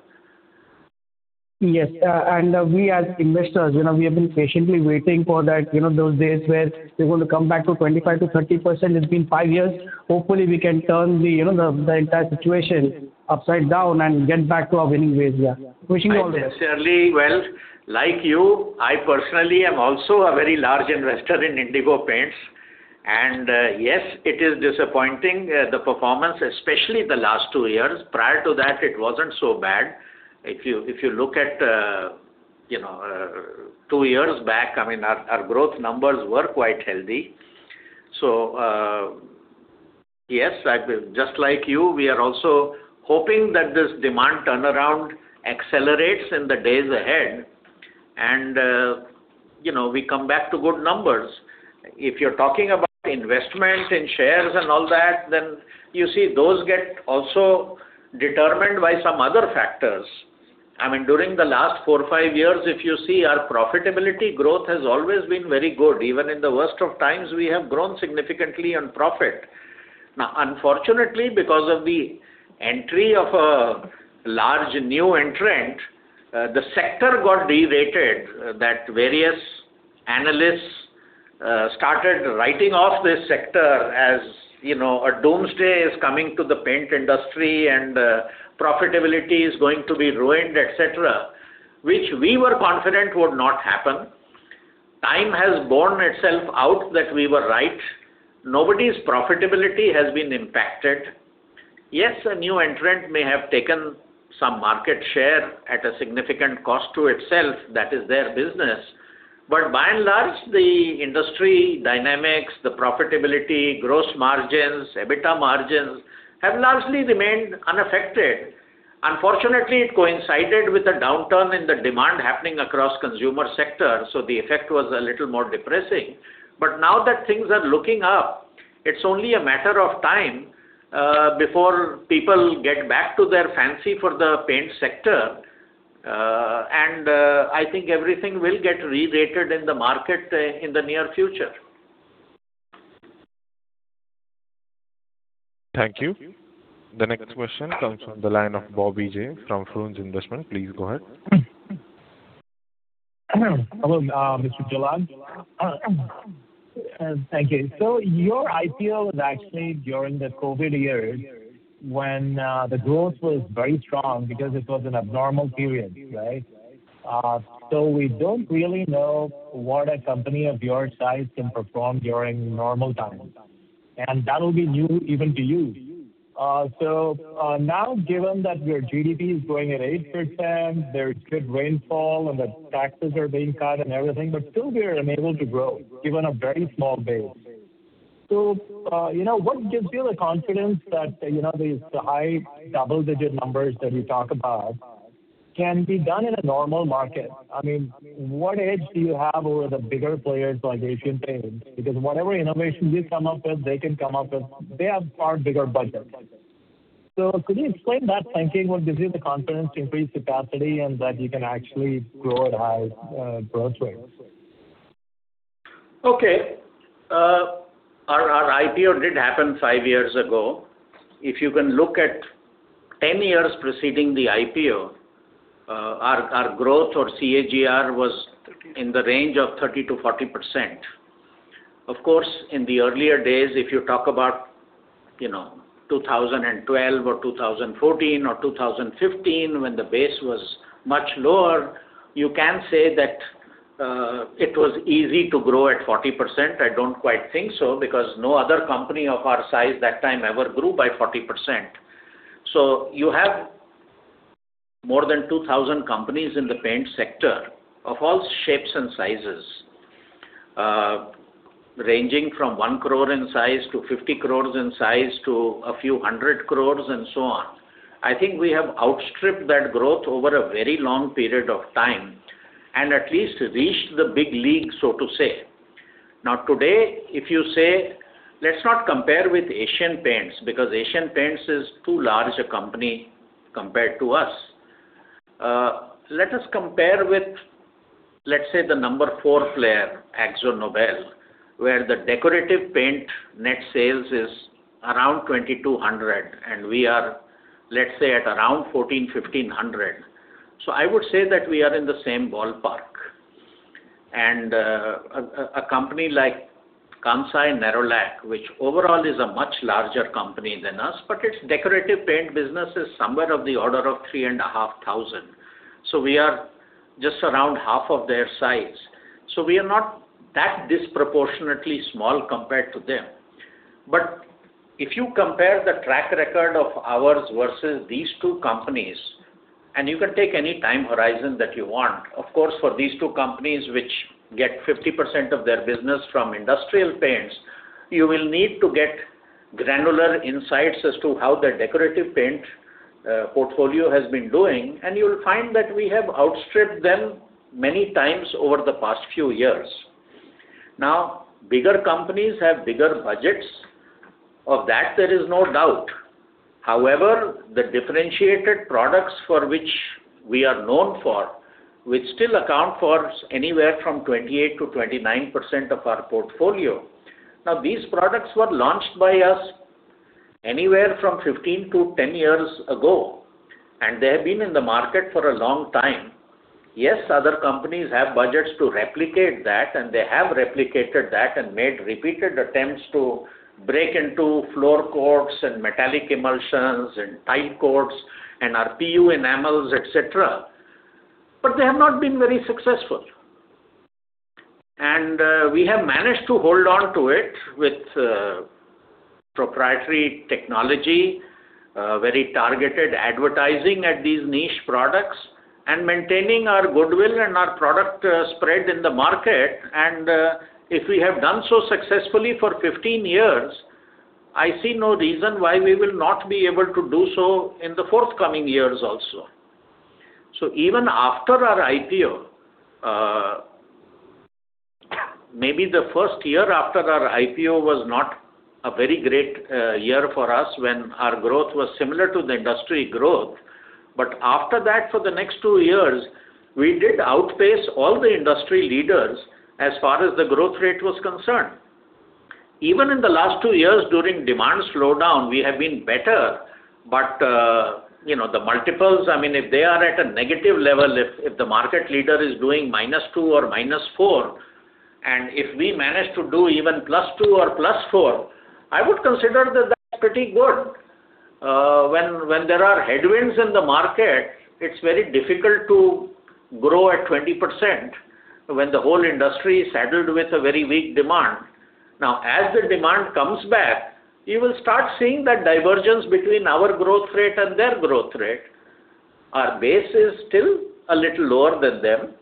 Yes, and we as investors, you know, we have been patiently waiting for that, you know, those days where they're going to come back to 25%-30%. It's been five years. Hopefully, we can turn the, you know, the, the entire situation upside down and get back to our winning ways. Yeah. Wishing you all the best. I certainly... Well, like you, I personally am also a very large investor in Indigo Paints. And, yes, it is disappointing, the performance, especially the last two years. Prior to that, it wasn't so bad. If you, if you look at, you know, two years back, I mean, our, our growth numbers were quite healthy. So, yes, just like you, we are also hoping that this demand turnaround accelerates in the days ahead, and, you know, we come back to good numbers. If you're talking about investment in shares and all that, then you see, those get also determined by some other factors. I mean, during the last four, five years, if you see, our profitability growth has always been very good. Even in the worst of times, we have grown significantly on profit. Now, unfortunately, because of the entry of a large new entrant, the sector got derated, that various analysts started writing off this sector as, you know, a doomsday is coming to the paint industry, and profitability is going to be ruined, et cetera, which we were confident would not happen. Time has borne itself out that we were right. Nobody's profitability has been impacted. Yes, a new entrant may have taken some market share at a significant cost to itself. That is their business. But by and large, the industry dynamics, the profitability, gross margins, EBITDA margins, have largely remained unaffected. Unfortunately, it coincided with a downturn in the demand happening across consumer sector, so the effect was a little more depressing. But now that things are looking up, it's only a matter of time before people get back to their fancy for the paint sector, and I think everything will get re-rated in the market in the near future. Thank you. The next question comes from the line of Bobby J. from Frunze Investments. Please go ahead. Hello, Mr. Jalan. Thank you. So your IPO was actually during the COVID years, when the growth was very strong because it was an abnormal period, right? So we don't really know what a company of your size can perform during normal times, and that will be new even to you. So now, given that your GDP is growing at 8%, there's good rainfall, and the taxes are being cut and everything, but still we are unable to grow, given a very small base. So you know, what gives you the confidence that, you know, these high double-digit numbers that you talk about can be done in a normal market? I mean, what edge do you have over the bigger players like Asian Paints? Because whatever innovations you come up with, they can come up with. They have far bigger budgets. Could you explain that thinking, what gives you the confidence to increase capacity and that you can actually grow at high growth rates? Okay. Our IPO did happen five years ago. If you can look at 10 years preceding the IPO, our growth or CAGR was in the range of 30%-40%. Of course, in the earlier days, if you talk about, you know, 2012 or 2014 or 2015, when the base was much lower, you can say that it was easy to grow at 40%. I don't quite think so, because no other company of our size that time ever grew by 40%. So you have more than 2,000 companies in the paint sector of all shapes and sizes, ranging from 1 crore in size to 50 crores in size, to INR a few hundred crores, and so on. I think we have outstripped that growth over a very long period of time and at least reached the big league, so to say. Now, today, if you say, let's not compare with Asian Paints, because Asian Paints is too large a company compared to us. Let us compare with, let's say, the number four player, AkzoNobel, where the decorative paint net sales is around 2,200, and we are, let's say, at around 1,400-1,500. So I would say that we are in the same ballpark. And, a company like Kansai Nerolac, which overall is a much larger company than us, but its decorative paint business is somewhere of the order of 3,500. So we are just around half of their size. So we are not that disproportionately small compared to them. But if you compare the track record of ours versus these two companies, and you can take any time horizon that you want, of course, for these two companies which get 50% of their business from industrial paints, you will need to get granular insights as to how their decorative paint portfolio has been doing, and you will find that we have outstripped them many times over the past few years. Now, bigger companies have bigger budgets. Of that, there is no doubt. However, the differentiated products for which we are known for, which still account for anywhere from 28%-29% of our portfolio. Now, these products were launched by us anywhere from 15-10 years ago, and they have been in the market for a long time. Yes, other companies have budgets to replicate that, and they have replicated that and made repeated attempts to break into floor coats and metallic emulsions and tile coats and RPU enamels, et cetera, but they have not been very successful. And, we have managed to hold on to it with, proprietary technology, very targeted advertising at these niche products, and maintaining our goodwill and our product, spread in the market. And, if we have done so successfully for 15 years, I see no reason why we will not be able to do so in the forthcoming years also. So even after our IPO, maybe the first year after our IPO was not a very great, year for us when our growth was similar to the industry growth. But after that, for the next two years, we did outpace all the industry leaders as far as the growth rate was concerned. Even in the last two years, during demand slowdown, we have been better, but, you know, the multiples, I mean, if they are at a negative level, if the market leader is doing -2 or -4, and if we manage to do even +2 or +4, I would consider that that's pretty good. When there are headwinds in the market, it's very difficult to grow at 20% when the whole industry is saddled with a very weak demand. Now, as the demand comes back, you will start seeing that divergence between our growth rate and their growth rate. Our base is still a little lower than them,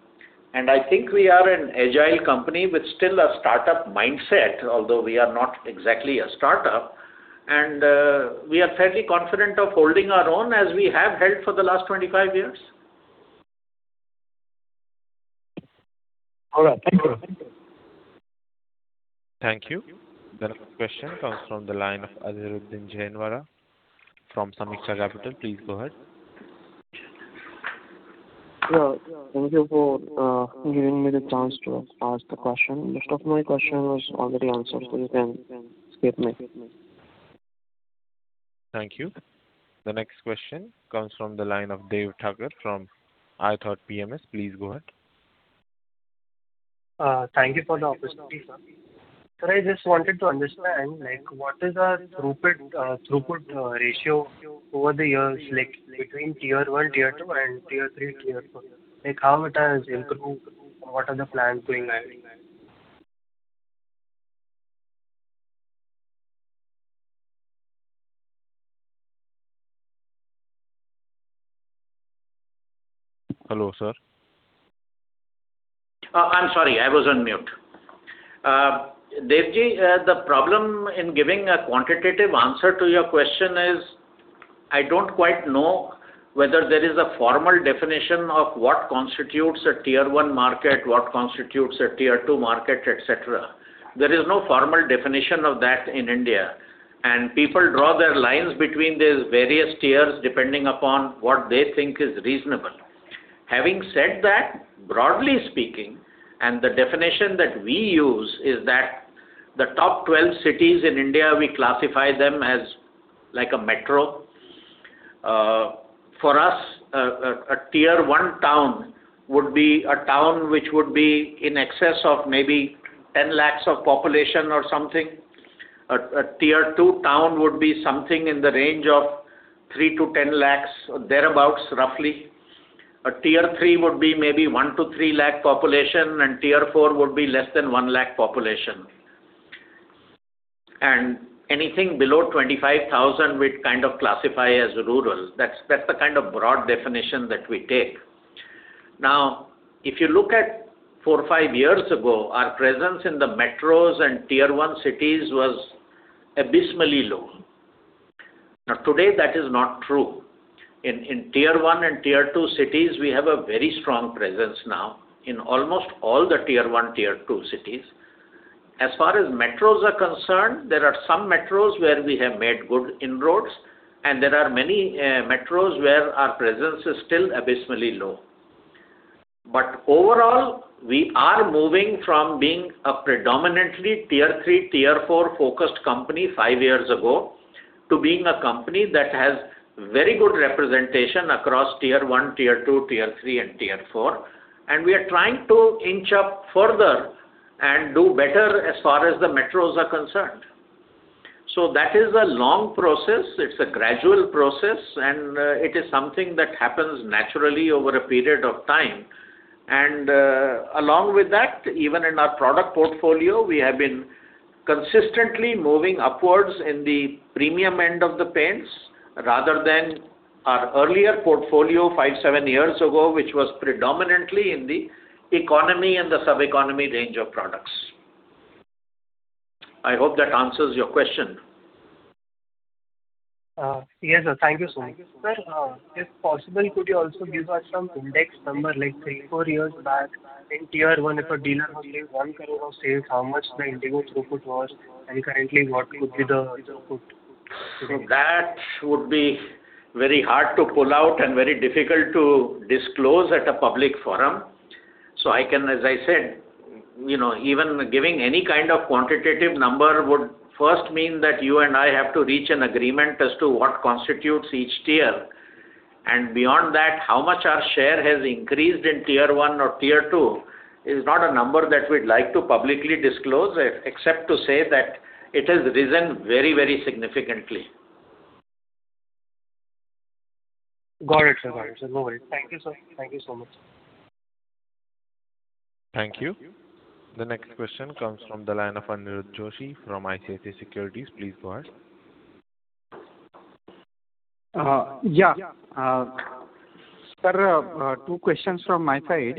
and I think we are an agile company with still a startup mindset, although we are not exactly a startup, and we are fairly confident of holding our own as we have held for the last 25 years. All right. Thank you. Thank you. The next question comes from the line of Azharuddin Jainwala from Sameeksha Capital. Please go ahead. Yeah, thank you for giving me the chance to ask the question. Most of my question was already answered, so you can skip me. Thank you. The next question comes from the line of Dev Thakkar from Ithought PMS. Please go ahead. Thank you for the opportunity, sir. So I just wanted to understand, like, what is our throughput ratio over the years, like between Tier one, Tier two, and Tier three, Tier 4? Like, how it has improved, and what are the plans going ahead? Hello, sir? I'm sorry, I was on mute. Devji, the problem in giving a quantitative answer to your question is, I don't quite know whether there is a formal definition of what constitutes a tier one market, what constitutes a tier two market, et cetera. There is no formal definition of that in India, and people draw their lines between these various tiers depending upon what they think is reasonable. Having said that, broadly speaking, and the definition that we use is that the top 12 cities in India, we classify them as like a metro. For us, a Tier one town would be a town which would be in excess of maybe 10 lakhs of population or something. A Tier two town would be something in the range of three lakhs-10 lakhs, or thereabout, roughly. A Tier Three would be maybe one lakh-three lakh population, and Tier Four would be less than one lakh population. Anything below 25,000, we'd kind of classify as rural. That's, that's the kind of broad definition that we take. Now, if you look at four to five years ago, our presence in the metros and Tier One cities was abysmally low. Now, today, that is not true. In, in Tier One and Tier Two cities, we have a very strong presence now, in almost all the Tier One, Tier Two cities. As far as metros are concerned, there are some metros where we have made good inroads, and there are many metros where our presence is still abysmally low. But overall, we are moving from being a predominantly Tier Three, Tier Four-focused company five years ago, to being a company that has very good representation across Tier One, Tier Two, Tier Three, and Tier Four. And we are trying to inch up further and do better as far as the metros are concerned. So that is a long process, it's a gradual process, and it is something that happens naturally over a period of time. And along with that, even in our product portfolio, we have been consistently moving upwards in the premium end of the paints, rather than our earlier portfolio five, seven years ago, which was predominantly in the economy and the sub-economy range of products. I hope that answers your question. Yes, sir. Thank you so much. Sir, if possible, could you also give us some index number, like three, four years back, in Tier One, if a dealer was making 1 crore of sales, how much the Indigo throughput was, and currently, what could be the throughput? That would be very hard to pull out and very difficult to disclose at a public forum. So I can... As I said, you know, even giving any kind of quantitative number would first mean that you and I have to reach an agreement as to what constitutes each tier. And beyond that, how much our share has increased in Tier One or Tier Two is not a number that we'd like to publicly disclose, except to say that it has risen very, very significantly. Got it, sir. Got it. No worry. Thank you, sir. Thank you so much. Thank you. The next question comes from the line of Anirudh Joshi from ICICI Securities. Please go ahead. Yeah. Sir, two questions from my side.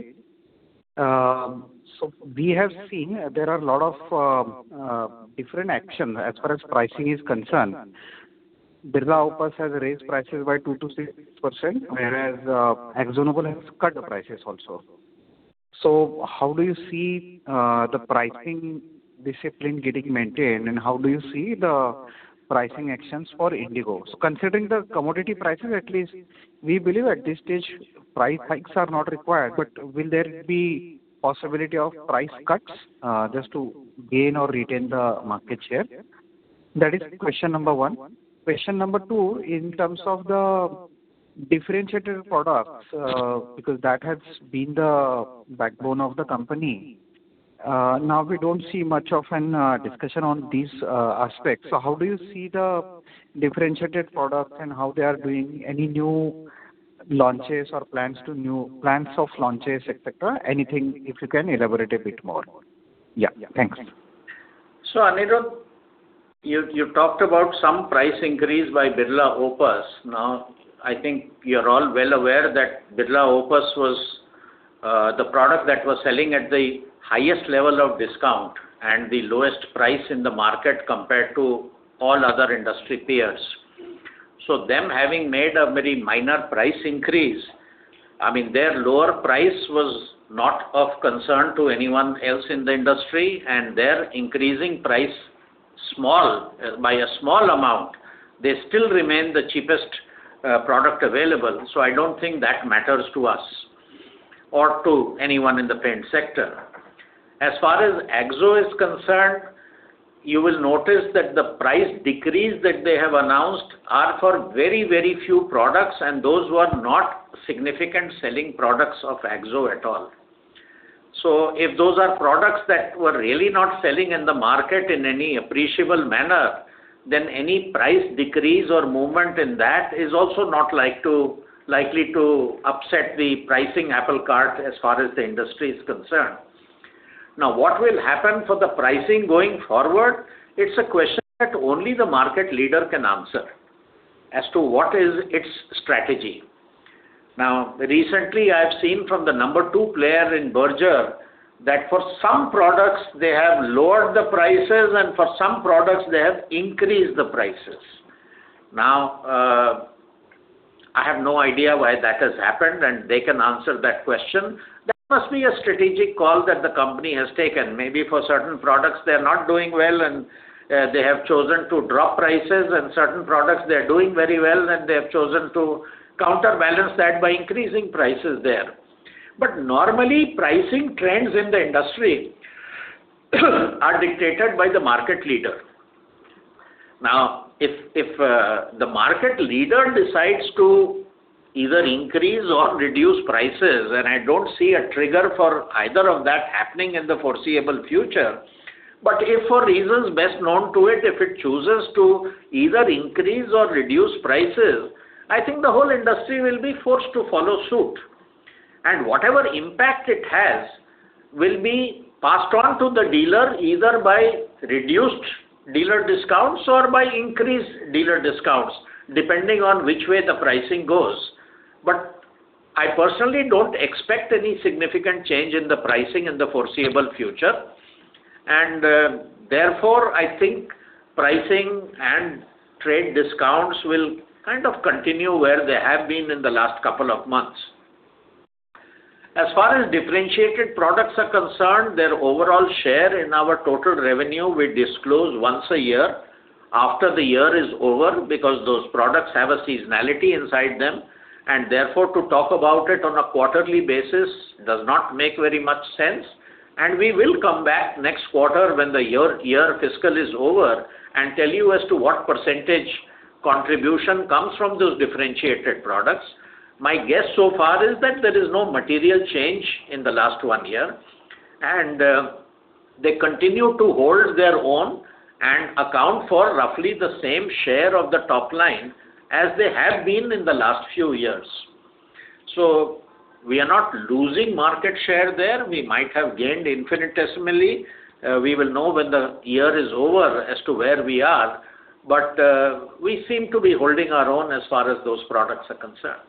So we have seen there are a lot of different actions as far as pricing is concerned. Birla Opus has raised prices by 2%-6%, whereas AkzoNobel has cut the prices also. So how do you see the pricing discipline getting maintained, and how do you see the pricing actions for Indigo? So considering the commodity prices, at least we believe at this stage, price hikes are not required, but will there be possibility of price cuts just to gain or retain the market share? That is question number one. Question number two, in terms of the differentiated products, because that has been the backbone of the company, now we don't see much of an discussion on these aspects. So how do you see the differentiated products and how they are doing? Any new launches or plans of launches, et cetera? Anything, if you can elaborate a bit more? Yeah. Thanks. So, Anirudh, you, you talked about some price increase by Birla Opus. Now, I think you're all well aware that Birla Opus was the product that was selling at the highest level of discount and the lowest price in the market, compared to all other industry peers. So them having made a very minor price increase, I mean, their lower price was not of concern to anyone else in the industry, and their increasing price, small, by a small amount, they still remain the cheapest product available. So I don't think that matters to us or to anyone in the paint sector. As far as Akzo is concerned, you will notice that the price decrease that they have announced are for very, very few products, and those who are not significant selling products of Akzo at all. So if those are products that were really not selling in the market in any appreciable manner, then any price decrease or movement in that is also not likely to upset the pricing apple cart, as far as the industry is concerned. Now, what will happen for the pricing going forward? It's a question that only the market leader can answer as to what is its strategy. Now, recently, I have seen from the number two player in Berger, that for some products, they have lowered the prices, and for some products, they have increased the prices. Now, I have no idea why that has happened, and they can answer that question. That must be a strategic call that the company has taken. Maybe for certain products, they're not doing well, and they have chosen to drop prices, and certain products, they're doing very well, and they have chosen to counterbalance that by increasing prices there. But normally, pricing trends in the industry are dictated by the market leader. Now, if the market leader decides to either increase or reduce prices, and I don't see a trigger for either of that happening in the foreseeable future, but if for reasons best known to it, if it chooses to either increase or reduce prices, I think the whole industry will be forced to follow suit. And whatever impact it has will be passed on to the dealer, either by reduced dealer discounts or by increased dealer discounts, depending on which way the pricing goes. But I personally don't expect any significant change in the pricing in the foreseeable future. Therefore, I think pricing and trade discounts will kind of continue where they have been in the last couple of months. As far as differentiated products are concerned, their overall share in our total revenue, we disclose once a year after the year is over, because those products have a seasonality inside them, and therefore, to talk about it on a quarterly basis does not make very much sense. We will come back next quarter when the year, year fiscal is over, and tell you as to what percentage contribution comes from those differentiated products. My guess so far is that there is no material change in the last one year, and they continue to hold their own and account for roughly the same share of the top line as they have been in the last few years. We are not losing market share there. We might have gained infinitesimally. We will know when the year is over as to where we are, but, we seem to be holding our own as far as those products are concerned.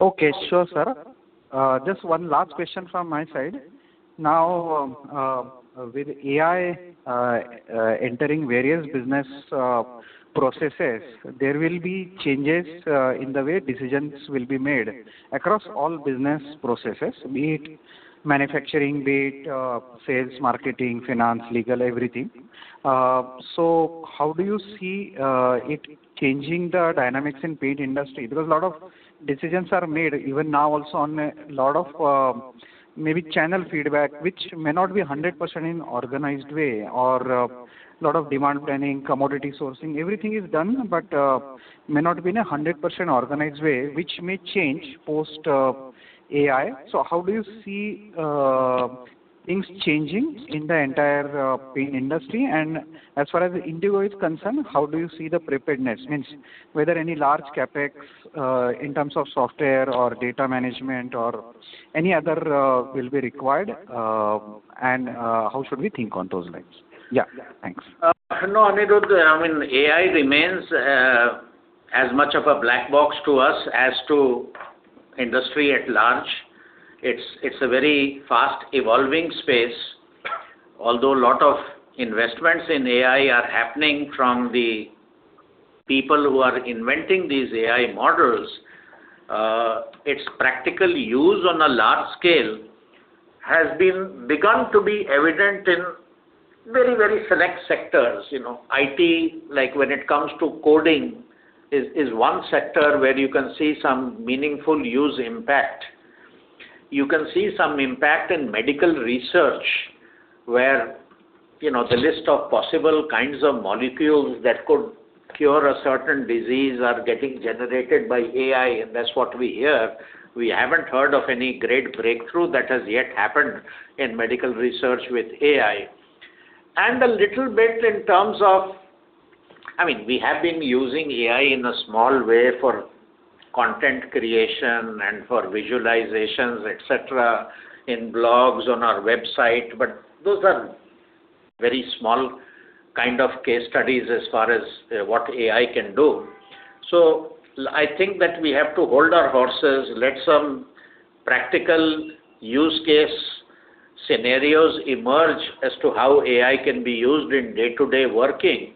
Okay, sure, sir. Just one last question from my side. Now, with AI entering various business processes, there will be changes in the way decisions will be made across all business processes, be it manufacturing, be it sales, marketing, finance, legal, everything. So how do you see it changing the dynamics in paint industry? Because a lot of decisions are made, even now also on a lot of maybe channel feedback, which may not be a hundred percent in organized way or a lot of demand planning, commodity sourcing. Everything is done, but may not be in a hundred percent organized way, which may change post AI. So how do you see things changing in the entire paint industry? And as far as Indigo is concerned, how do you see the preparedness? Means, whether any large CapEx in terms of software or data management or any other will be required, and how should we think on those lines? Yeah, thanks. No, Anirudh, I mean, AI remains as much of a black box to us as to industry at large. It's a very fast evolving space. Although a lot of investments in AI are happening from the people who are inventing these AI models, its practical use on a large scale has begun to be evident in very, very select sectors. You know, IT, like when it comes to coding, is one sector where you can see some meaningful use impact. You can see some impact in medical research, where, you know, the list of possible kinds of molecules that could cure a certain disease are getting generated by AI, and that's what we hear. We haven't heard of any great breakthrough that has yet happened in medical research with AI. A little bit in terms of, I mean, we have been using AI in a small way for content creation and for visualizations, et cetera, in blogs on our website, but those are very small kind of case studies as far as what AI can do. So I think that we have to hold our horses, let some practical use case scenarios emerge as to how AI can be used in day-to-day working.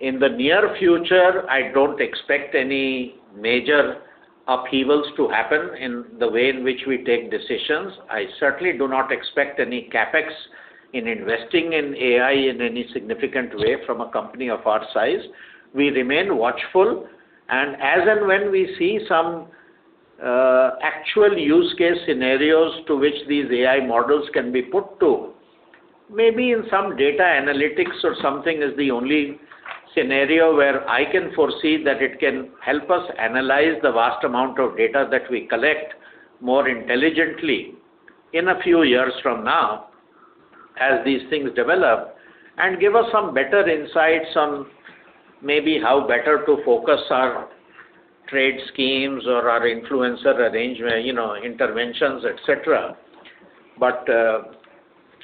In the near future, I don't expect any major upheavals to happen in the way in which we take decisions. I certainly do not expect any CapEx in investing in AI in any significant way from a company of our size. We remain watchful, and as and when we see some actual use case scenarios to which these AI models can be put to, maybe in some data analytics or something, is the only scenario where I can foresee that it can help us analyze the vast amount of data that we collect more intelligently in a few years from now, as these things develop, and give us some better insights on maybe how better to focus our trade schemes or our influencer arrangement, you know, interventions, et cetera. But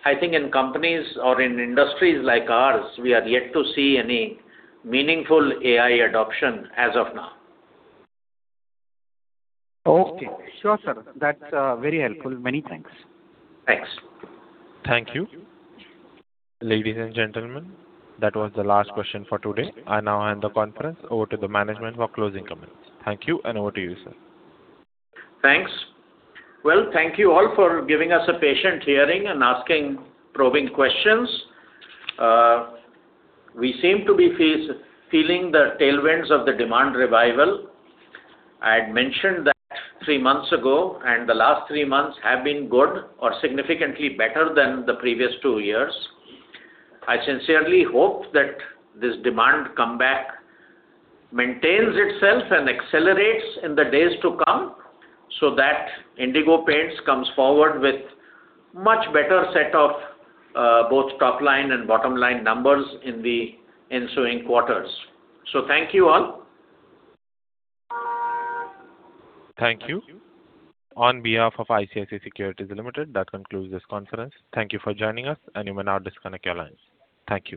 I think in companies or in industries like ours, we are yet to see any meaningful AI adoption as of now. Okay. Sure, sir. That's very helpful. Many thanks. Thanks. Thank you. Ladies and gentlemen, that was the last question for today. I now hand the conference over to the management for closing comments. Thank you, and over to you, sir. Thanks. Well, thank you all for giving us a patient hearing and asking probing questions. We seem to be feeling the tailwinds of the demand revival. I had mentioned that three months ago, and the last three months have been good or significantly better than the previous two years. I sincerely hope that this demand comeback maintains itself and accelerates in the days to come, so that Indigo Paints comes forward with much better set of both top line and bottom line numbers in the ensuing quarters. So thank you all. Thank you. On behalf of ICICI Securities Limited, that concludes this conference. Thank you for joining us, and you may now disconnect your lines. Thank you.